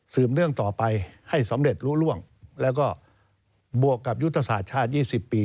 เนื่องต่อไปให้สำเร็จรู้ร่วงแล้วก็บวกกับยุทธศาสตร์ชาติ๒๐ปี